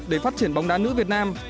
để phát triển bóng đá nữ việt nam